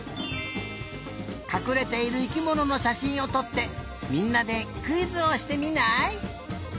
かくれている生きもののしゃしんをとってみんなでクイズをしてみない？